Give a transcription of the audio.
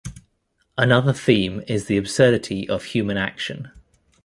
Another theme is the absurdity of human action.